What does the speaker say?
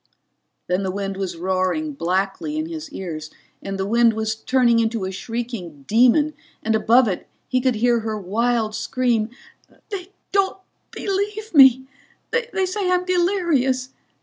Then the wind was roaring blackly in his ears and the wind was turning into a shrieking demon and above it he could hear her wild scream: "They don't believe me! They say I'm delirious.